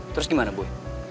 terus gimana boy